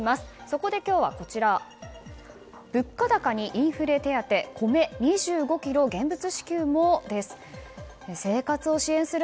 そこで今日は物価高にインフレ手当米２５ｋｇ現物支給も、です。